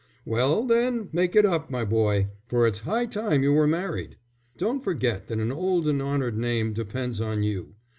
"Well, then, make it up, my boy, for it's high time you were married. Don't forget that an old and honoured name depends on you.